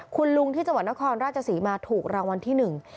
คุณลุงที่จังหวัดนครราชศรีมาถูกรางวัลที่หนึ่ง